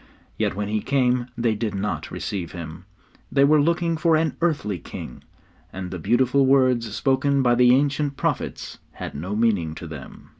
Yet when He came they did not receive Him. They were looking for an earthly king, and the beautiful words spoken by the ancient prophets had no meaning to them.